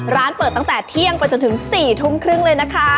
ร้านเปิดตั้งแต่เที่ยงมันไปจนถึง๑๖๓๐นเลยนะคะ